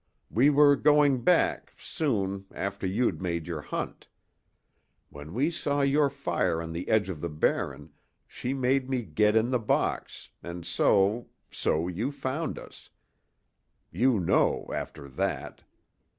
We were going back soon after you'd made your hunt. When we saw your fire on the edge of the Barren she made me get in the box an' so so you found us. You know after that.